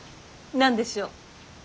何でしょう。